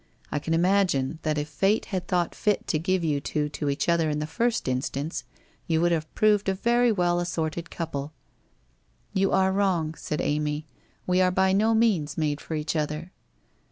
I can imagine that if Fate had thought fit to give you two to each other in the first instance, you would have proved a very well assorted couple.' ' You are wrong,' said Amy. ' We are by no means made for each other.'